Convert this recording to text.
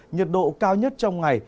nhiệt độ cao nhất trong ngày